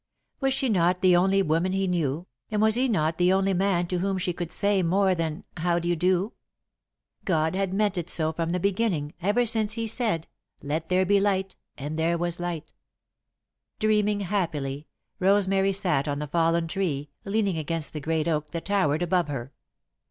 Was she not the only woman he knew, and was he not the only man to whom she could say more than "How do you do?" God had meant it so from the beginning, ever since He said: "Let there be light, and there was light." [Sidenote: An Unwonted Shyness] Dreaming happily, Rosemary sat on the fallen tree, leaning against the great oak that towered above her.